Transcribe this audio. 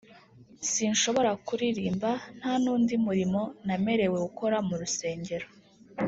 sinshobora kuririmba nta n’undi murimo namerewe gukora mu rusengero